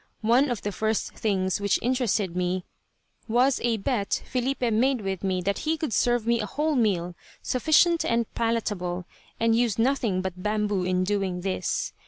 One of the first things which interested me was a bet Filipe made with me that he could serve me a whole meal, sufficient and palatable, and use nothing but bamboo in doing this.